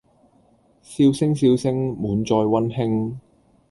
笑聲笑聲，滿載溫馨